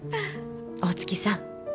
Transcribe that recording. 大月さん。